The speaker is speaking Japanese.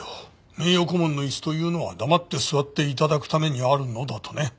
名誉顧問の椅子というのは黙って座って頂くためにあるのだとね。